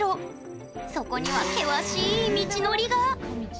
そこには険しい道のりが！